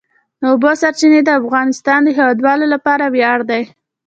د اوبو سرچینې د افغانستان د هیوادوالو لپاره ویاړ دی.